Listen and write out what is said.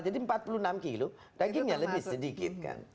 jadi empat puluh enam kg dagingnya lebih sedikit